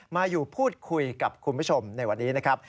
มาอยู่พูดคุยกับคุณผู้ชมในวันนี้นะครับ